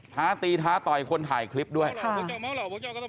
ท้าตีท้าต่อยคนถ่ายคลิปด้วยค่ะ